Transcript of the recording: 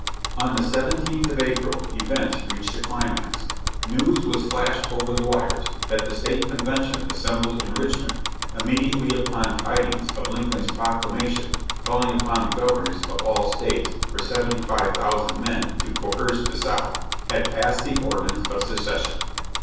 On the seventeenth of April events reached a climax, news was flashed over the wires that the State Convention assembled in Richmond immediately upon tidings of Lincoln's proclama tion calling upon the governors of all States for seventy five thou sand men to coerce the South, had passed the ordinance of Seces sion.